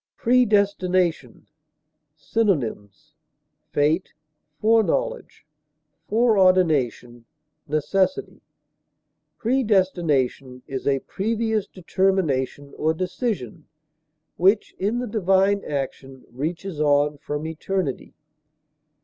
PREDESTINATION. Synonyms: fate, foreknowledge, foreordination, necessity. Predestination is a previous determination or decision, which, in the divine action, reaches on from eternity.